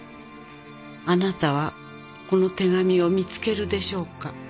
「あなたはこの手紙を見つけるでしょうか？」